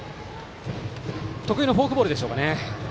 得意のフォークボールですかね。